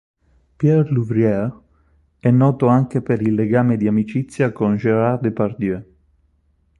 Pierre Louvrier è noto anche per il legame di amicizia con Gérard Depardieu.